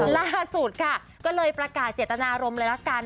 ล่าสุดค่ะก็เลยประกาศเจตนารมณ์เลยละกัน